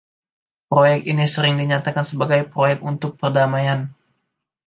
Proyek ini sering dinyatakan sebagai proyek untuk perdamaian.